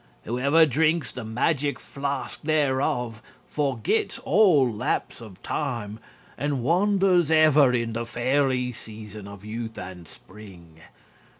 Whoever drinks the Magic Flask thereof Forgets all lapse of time And wanders ever in the fairy season Of youth and spring.